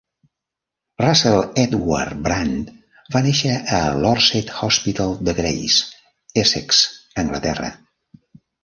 Russell Edward Brand va néixer a l'Orsett Hospital de Grays, Essex, Anglaterra.